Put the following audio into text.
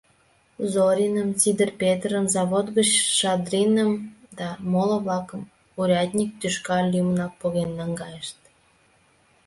— Зориным, Сидыр Петрым, Завод гыч Шадриным да моло-влакым урядник тӱшка лӱмынак поген наҥгайышт.